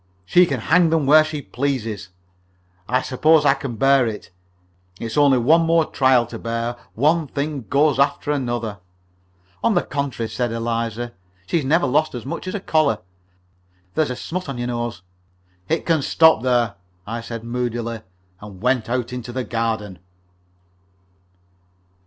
"She can hang them where she pleases. I suppose I can bear it. It's only one more trial to bear. One thing goes after another." "On the contrary," said Eliza, "she's never lost as much as a collar. There's a smut on your nose." "It can stop there," I said, moodily, and went out into the garden.